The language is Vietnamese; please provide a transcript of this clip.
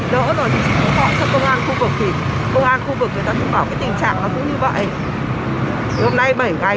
đông cái này